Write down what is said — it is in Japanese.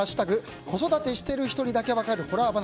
子育てしてる人にだけ分かるホラー話」。